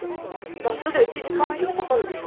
バスで１時間以上かかるでしょ。